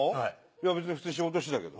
別に普通に仕事してたけど。